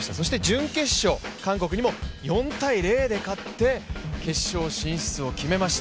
準決勝の韓国にも４−０で勝って決勝進出を決めました。